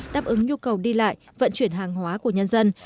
đáp ứng nhu cầu đi lại vận chuyển hàng hóa của nhân dân